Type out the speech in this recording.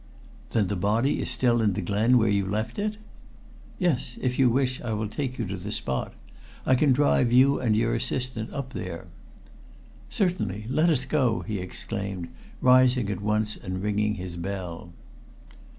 "Then the body is still in the glen, where you left it?" "Yes. If you wish, I will take you to the spot. I can drive you and your assistant up there." "Certainly. Let us go," he exclaimed, rising at once and ringing his bell.